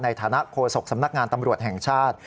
ในฐานะโฆษกสำนักงานตำรวจแห่งชาติ